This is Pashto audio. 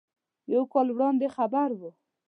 یو کال وړاندې خبر و.